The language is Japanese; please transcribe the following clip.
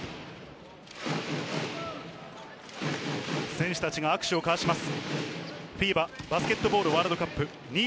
選手達が握手を交わします。